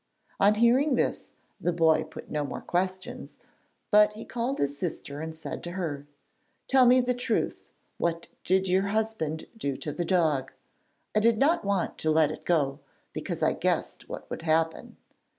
On hearing this the boy put no more questions, but he called his sister and said to her: 'Tell me the truth. What did your husband do to the dog? I did not want to let it go, because I guessed what would happen.'